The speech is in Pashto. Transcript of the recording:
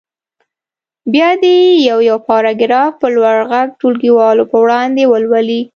بیا دې یو یو پاراګراف په لوړ غږ ټولګیوالو په وړاندې ولولي.